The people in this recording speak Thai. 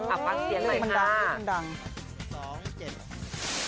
อัพพันธ์เตียนเลยค่ะมันดัง